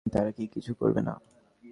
তারা কি কিছু করবে না?